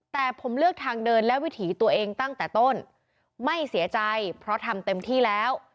แต่ผมเลือกทางเดินและวิถีตัวเองตั้งแต่ต้นไม่เสียใจเพราะทำเต็มที่แล้ว